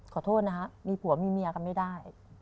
ขอโทษนะฮะมีผัวมีเมียกันไม่ได้